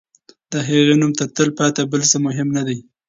د هغې نوم تر تل پاتې بل څه مهم دی.